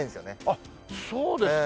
あっそうですか。